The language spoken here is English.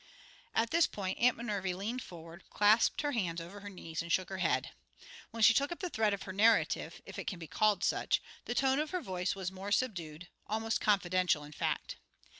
At this point Aunt Minervy leaned forward, clasped her hands over her knees, and shook her head. When she took up the thread of her narrative, if it can be called such, the tone of her voice was more subdued, almost confidential, in fact.